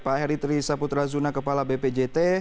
pak heri terisa putra zuna kepala bpjt